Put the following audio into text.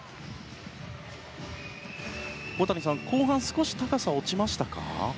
小谷さん、後半少し高さが落ちましたか。